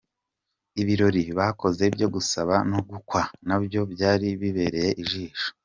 Ibirori bakoze byo gusaba no gukwa na byo byari bibereye ijisho.